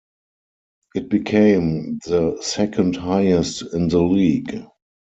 It became the second highest in the league.